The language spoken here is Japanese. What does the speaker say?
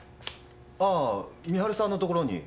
ああ美晴さんのところに。